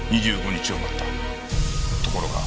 ところが。